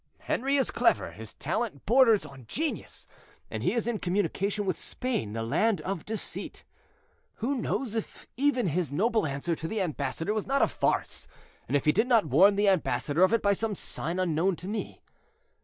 Henri is clever, his talent borders on genius, and he is in communication with Spain, the land of deceit. Who knows if even his noble answer to the ambassador was not a farce, and if he did not warn the ambassador of it by some sign unknown to me?